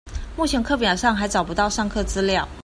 目前課表還找不到上課資料